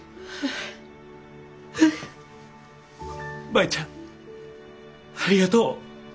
舞ちゃんありがとう。